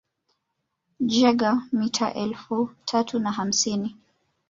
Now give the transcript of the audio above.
Jaeger mita elfu tatu na hamsini